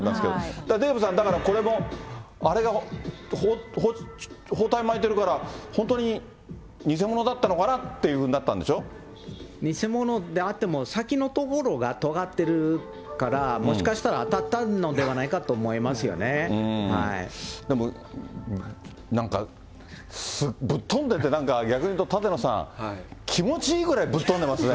ただ、デーブさん、これも包帯巻いてるから、本当に偽物だったのかなっていうふうに偽物であっても、先の所がとがってるから、もしかしたら当たったのではないかと思なんか、ぶっ飛んでて、逆に言うと、舘野さん、気持ちいいぐらいぶっ飛んでますね。